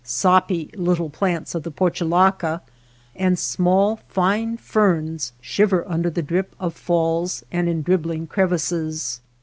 Soppy little plants of the portulaca and small, fine ferns shiver under the drip of falls and in dribbling crevices.